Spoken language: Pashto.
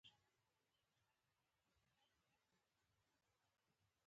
موږ لوبه وګټله.